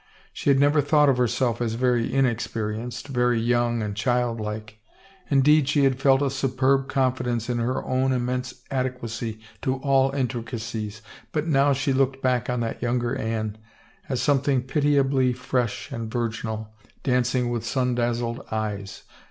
She had never thought of herself as very inexperienced, very young and childlike; indeed she had felt a superb confidence in her own immense adequacy to all intricacies, but now she looked back on that younger Anne as some thing pitiably fresh and virginal, dancing with sun daz zled eyes.